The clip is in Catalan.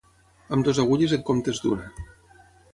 Amb dues agulles en comptes d'una